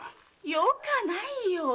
よかないよ！